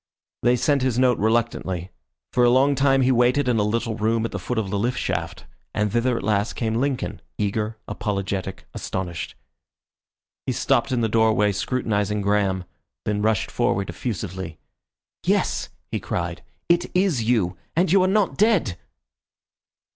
They sent his note reluctantly. For a long time he waited in a little room at the foot of the lift shaft, and thither at last came Lincoln, eager, apologetic, astonished. He stopped in the doorway scrutinising Graham, then rushed forward effusively. "Yes," he cried. "It is you. And you are not dead!"